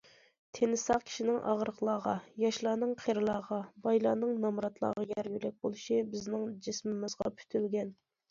تىنى ساق كىشىنىڭ ئاغرىقلارغا، ياشلارنىڭ قېرىلارغا، بايلارنىڭ نامراتلارغا يار- يۆلەك بولۇشى بىزنىڭ جىسمىمىزغا پۈتۈلگەن.